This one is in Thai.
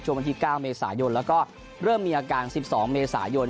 วันที่๙เมษายนแล้วก็เริ่มมีอาการ๑๒เมษายน